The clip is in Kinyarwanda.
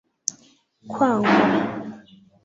kwangwa